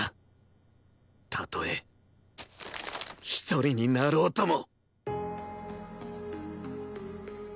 たとえ１人になろうとも